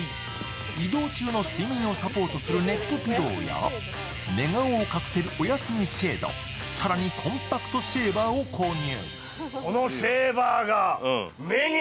移動中の睡眠をサポートするネックピローや寝顔を隠せるおやすみシェード、更に、コンパクトシェーバーを購入